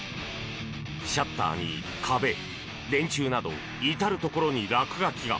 シャッターに壁、電柱など至るところに落書きが。